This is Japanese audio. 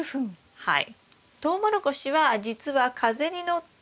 はい。